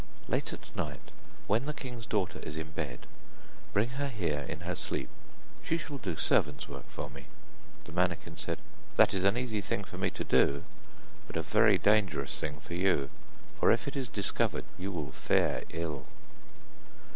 'Late at night, when the king's daughter is in bed, bring her here in her sleep, she shall do servant's work for me.' The manikin said: 'That is an easy thing for me to do, but a very dangerous thing for you, for if it is discovered, you will fare ill.